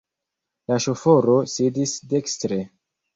La ŝoforo sidis dekstre.